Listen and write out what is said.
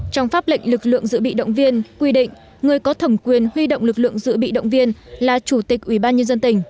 trong pháp lệnh lực lượng dự bị động viên quy định người có thẩm quyền huy động lực lượng dự bị động viên là chủ tịch ubnd